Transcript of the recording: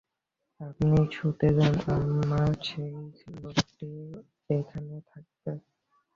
আপনি শুতে যান, আমার সেই লোকটি এখানে থাকবে।